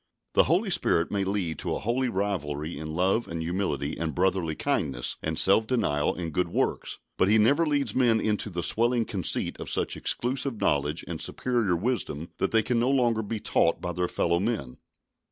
The Holy Spirit may lead to a holy rivalry in love and humility and brotherly kindness and self denial and good works, but He never leads men into the swelling conceit of such exclusive knowledge and superior wisdom that they can no longer be taught by their fellow men.